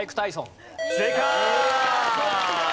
正解！